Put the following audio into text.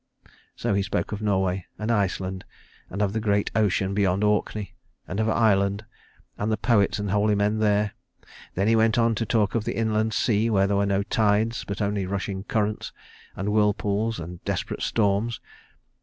So he spoke of Norway and Iceland, and of the great ocean beyond Orkney; and of Ireland, and the poets and holy men there. Then he went on to talk of the inland sea where there were no tides, but only rushing currents, and whirlpools and desperate storms.